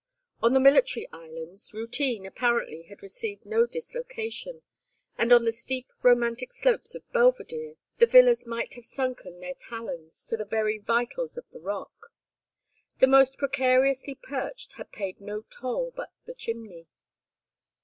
On the military islands, routine, apparently, had received no dislocation, and on the steep romantic slopes of Belvedere the villas might have sunken their talons to the very vitals of the rock. The most precariously perched had paid no toll but the chimney.